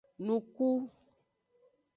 Nuku.